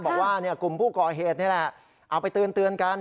บอกว่ากลุ่มผู้ก่อเหตุนี่แหละเอาไปเตือนกัน